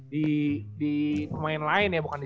di pemain lain ya bukan di